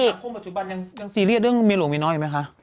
คนปัจจุบันยังซีเรียสเรื่องเมียหลวงเมียน้อยอยู่ไหมคะ